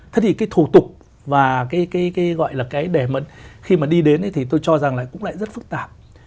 thế thì cái thủ tục và cái gọi là cái để mà khi mà đi đến thì tôi cho rằng là cũng lại rất phức tạp